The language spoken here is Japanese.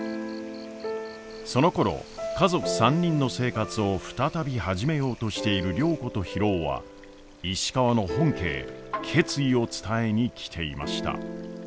そのころ家族３人の生活を再び始めようとしている良子と博夫は石川の本家へ決意を伝えに来ていました。